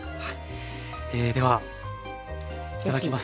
ではいただきます。